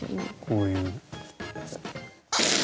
こういう。